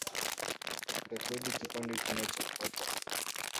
umoja wa afrika umesimamisha uanachama wa Sudan tangu mkuu wa jeshi